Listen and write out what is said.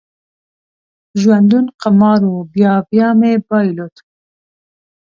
ژوندون قمار و، بیا بیا مې بایلود